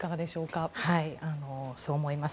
そう思います。